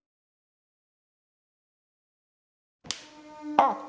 あっ！